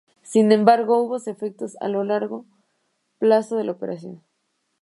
Sin embargo, hubo efectos a largo plazo de la operación.